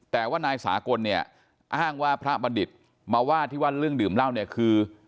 แต่ว่านายสากลเนี่ยอ้างว่าพระบัณฑิตมาว่าที่ว่าเรื่องดื่มเหล้าเนี่ยคือ